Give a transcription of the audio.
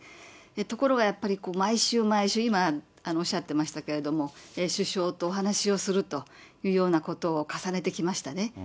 ところがやっぱり、毎週毎週、今、おっしゃっていましたけれども、首相とお話をするというようなことを重ねてきましたね。